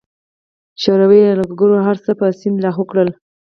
شوروي یرغلګرو هرڅه په سیند لاهو کړل.